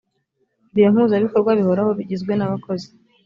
ibiro mpuzabikorwa bihoraho bigizwe n abakozi